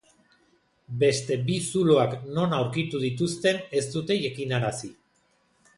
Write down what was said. Beste bi zuloak non aurkitu dituzten ez dute jakinarazi.